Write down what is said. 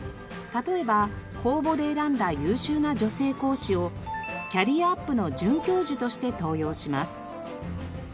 例えば公募で選んだ優秀な女性講師をキャリアアップの准教授として登用します。